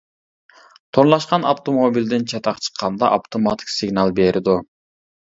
تورلاشقان ئاپتوموبىلدىن چاتاق چىققاندا، ئاپتوماتىك سىگنال بېرىدۇ.